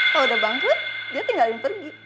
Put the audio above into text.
kalau udah bangkrut dia tinggalin pergi